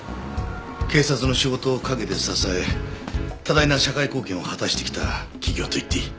警察の仕事を陰で支え多大な社会貢献を果たしてきた企業といっていい。